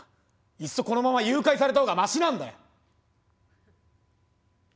いっそこのまま誘拐された方がマシなんだよ！